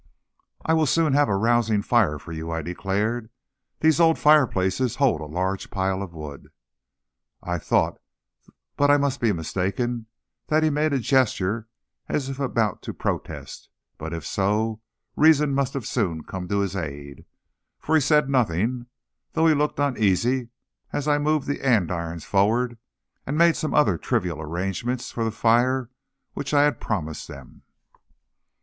"I will soon have a rousing fire for you," I declared. "These old fireplaces hold a large pile of wood." I thought, but I must be mistaken, that he made a gesture as if about to protest, but, if so, reason must have soon come to his aid, for he said nothing, though he looked uneasy, as I moved the andirons forward and made some other trivial arrangements for the fire which I had promised them.